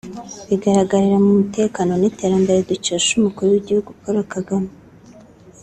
bigaragarira mu mutekano n’iterambere dukesha umukuru w’Igihugu Paul Kagame